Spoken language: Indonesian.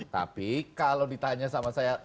tapi kalau ditanya sama saya